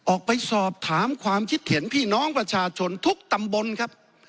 ออกไปสอบถามความคิดเห็นพี่น้องประชาชนทุกตำบลครับ